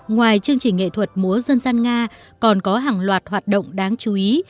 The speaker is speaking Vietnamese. ngoài chương trình nghệ thuật múa dân gian nga còn có hàng loạt hoạt động đáng chú ý